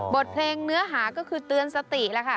บทเพลงเนื้อหาก็คือเตือนสติแล้วค่ะ